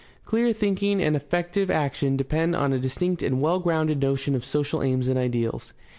Clear thinking and effective action depend on a distinct and well grounded notion of social aims and ideals.